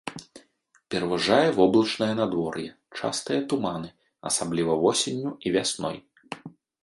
Пераважае воблачнае надвор'е, частыя туманы, асабліва восенню і вясной.